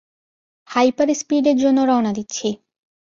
হাইপার-স্পীডের জন্য রওনা দিচ্ছি।